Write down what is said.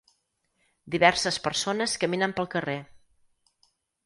Diverses persones caminen pel carrer.